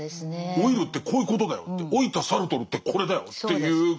老いるってこういうことだよって老いたサルトルってこれだよっていうこと。